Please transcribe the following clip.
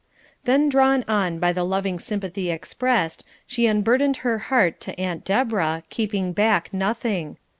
Then drawn on by the loving sympathy expressed, she unburdened her heart to Aunt Deborah, keeping back nothing.